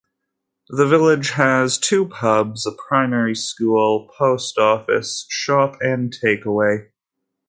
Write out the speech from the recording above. The village has two pubs, a primary school, post office, shop and takeaway.